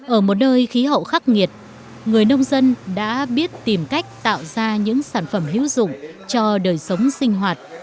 ở một nơi khí hậu khắc nghiệt người nông dân đã biết tìm cách tạo ra những sản phẩm hữu dụng cho đời sống sinh hoạt